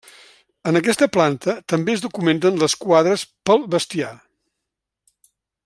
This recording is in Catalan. En aquesta planta també es documenten les quadres pel bestiar.